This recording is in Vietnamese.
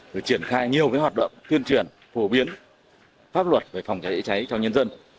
rồi triển khai nhiều hoạt động tuyên truyền phổ biến pháp luật về phòng cháy chữa cháy cho nhân dân